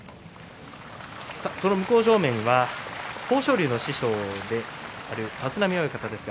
向正面は豊昇龍の師匠の立浪親方です。